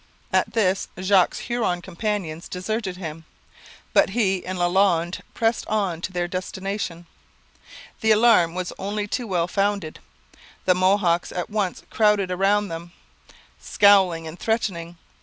At this Jogues's Huron companions deserted him, but he and Lalande pressed on to their destination. The alarm was only too well founded. The Mohawks at once crowded round them, scowling and threatening.